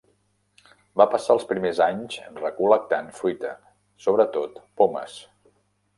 Va passar els primers anys recol·lectant fruita, sobretot pomes.